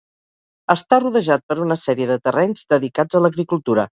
Està rodejat per una sèrie de terrenys dedicats a l'agricultura.